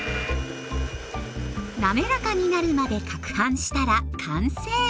滑らかになるまでかくはんしたら完成。